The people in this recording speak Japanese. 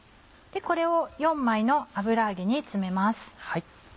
これを４枚の油揚げに詰めます。